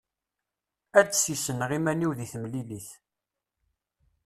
Ad d-ssisneɣ iman-iw deg temlilit.